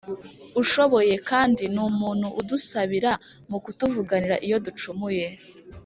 ushoboye kandi ni umuntu udusabira mu kutuvuganira iyo ducumuye